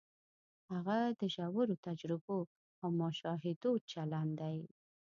هغه د ژورو تجربو او مشاهدو چلن دی.